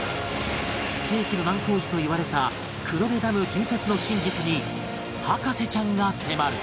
世紀の難工事といわれた黒部ダム建設の真実に博士ちゃんが迫る